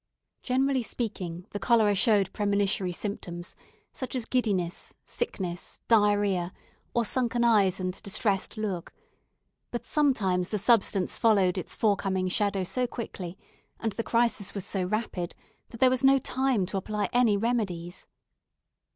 Generally speaking, the cholera showed premonitory symptoms; such as giddiness, sickness, diarrhoea, or sunken eyes and distressed look; but sometimes the substance followed its forecoming shadow so quickly, and the crisis was so rapid, that there was no time to apply any remedies.